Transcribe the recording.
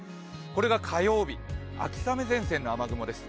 これが火曜日、秋雨前線の雨雲です。